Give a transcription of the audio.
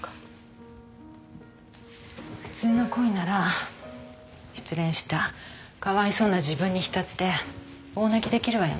普通の恋なら失恋したかわいそうな自分に浸って大泣きできるわよね。